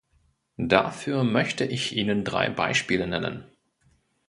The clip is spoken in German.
Dafür möchte ich Ihnen drei Beispiele nennen.